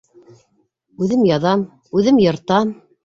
Үҙем яҙам, үҙем йыртам.